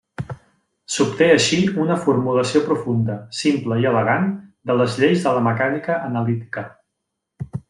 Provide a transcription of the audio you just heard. S'obté així una formulació profunda, simple i elegant de les lleis de la mecànica analítica.